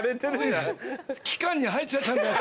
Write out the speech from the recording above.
気管に入っちゃったんだよ。